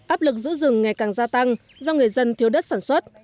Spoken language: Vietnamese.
áp lực giữ rừng ngày càng gia tăng do người dân thiếu đất sản xuất